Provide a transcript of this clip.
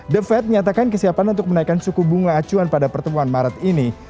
the fed menyatakan kesiapan untuk menaikkan suku bunga acuan pada pertemuan maret ini